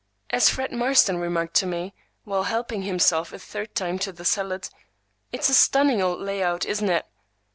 As Fred Marston remarked to me, while helping himself a third time to the salad, "It's a stunning old lay out, isn't it!"